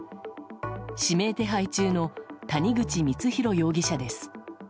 指名手配中の谷口光弘容疑者です。